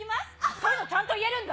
そういうのちゃんと言えるんだ。